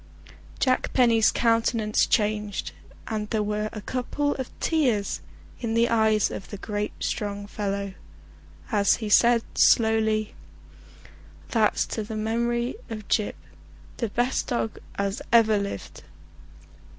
Jack Penny's countenance changed, and there were a couple of tears in the eyes of the great strong fellow as he said slowly: "That's to the memory of Gyp, the best dog as ever lived!"